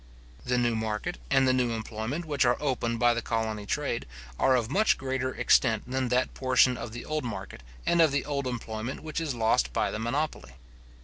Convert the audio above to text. The new market and the new employment which are opened by the colony trade, are of much greater extent than that portion of the old market and of the old employment which is lost by the monopoly.